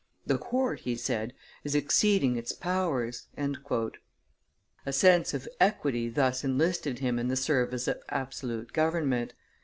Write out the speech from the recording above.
"The Court," he said, "is exceeding its powers." A sense of equity thus enlisted him in the service of absolute government.